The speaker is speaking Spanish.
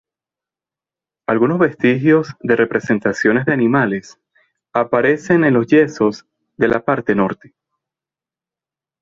Algunos vestigios de representaciones de animales aparecen en los yesos de la parte norte.